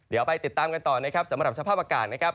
เดี๋ยวไปติดตามกันต่อนะครับสำหรับสภาพอากาศนะครับ